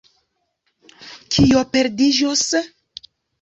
Kio perdiĝos?